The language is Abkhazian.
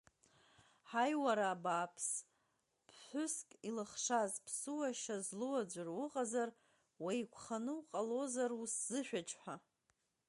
Ҳаи, уара, абааԥс, ԥҳәыс илыхшаз, ԥсуа шьа злоу аӡәыр уҟазар, уеиқәханы уҟалозар усзышәаџьҳәа.